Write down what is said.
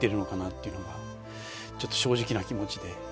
っていうのは、ちょっと正直な気持ちで。